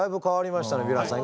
ヴィランさん